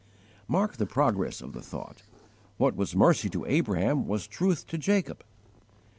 Mark the progress of the thought. What was mercy to Abraham was truth to Jacob.